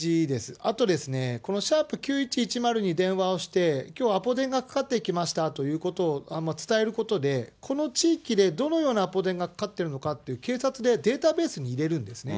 あと、この＃９１１０に電話をして、きょう、アポ電がかかってきましたということを伝えることで、この地域でどのようなアポ電がかかってるのかっていうのを警察でデータベースに入れるんですね。